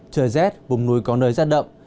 trời rét vùng núi có nơi giát đậm